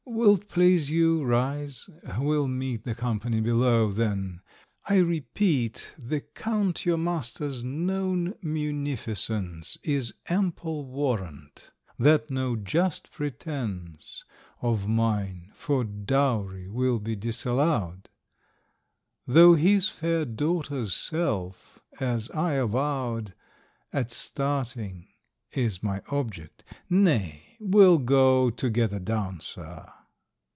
Will't please you rise? We'll meet The company below, then. I repeat, The Count your master's known munificence Is ample warrant that no just pretence 50 Of mine for dowry will be disallowed; Though his fair daughter's self, as I avowed At starting, is my object. Nay, we'll go Together down, sir.